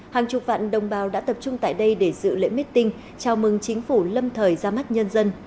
hàng chục vạn đồng bào đã tập trung tại đây để dự lễ meeting chào mừng chính phủ lâm thời ra mắt nhân dân